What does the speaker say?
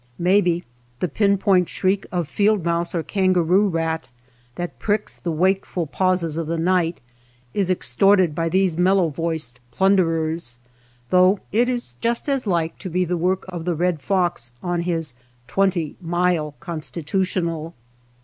Maybe the pin point shriek of field mouse or kangaroo rat that pricks the wakeful pauses of the night is extorted by these mellow voiced plunderers, though it is just as like to be the work of the red fox on his twenty mile constitutional.